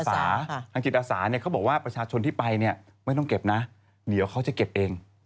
ทางจิตอาสาเนี่ยเขาบอกว่าประชาชนที่ไปเนี่ยไม่ต้องเก็บนะเดี๋ยวเขาจะเก็บเอง